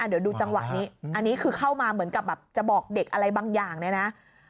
เดี๋ยวดูจังหวะนี้อันนี้คือเข้ามาเหมือนกับแบบจะบอกเด็กอะไรบางอย่างเนี่ยนะ